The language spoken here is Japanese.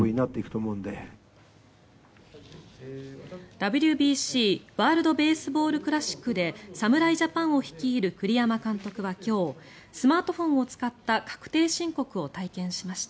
ＷＢＣ＝ワールド・ベースボール・クラシックで侍ジャパンを率いる栗山監督は今日スマートフォンを使った確定申告を体験しました。